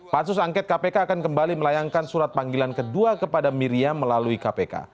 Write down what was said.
pansus angket kpk akan kembali melayangkan surat panggilan kedua kepada miriam melalui kpk